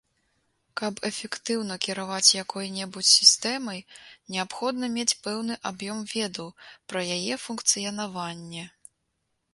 Каб эфектыўна кіраваць якой-небудзь сістэмай, неабходна мець пэўны аб'ём ведаў пра яе функцыянаванне.